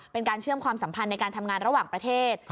เป็นการเชื่อมความสัมพันธ์ในการทำงานระหว่างประเทศ